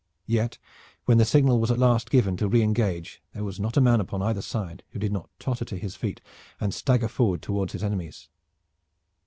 Yet, when the signal was at last given to reengage there was not a man upon either side who did not totter to his feet and stagger forward toward his enemies.